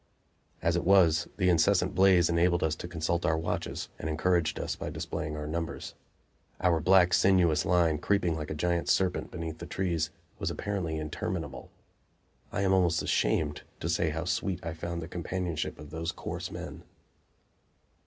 As it was, the incessant blaze enabled us to consult our watches and encouraged us by displaying our numbers; our black, sinuous line, creeping like a giant serpent beneath the trees, was apparently interminable. I am almost ashamed to say how sweet I found the companionship of those coarse men.